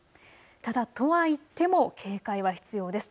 ただ、とはいっても警戒は必要です。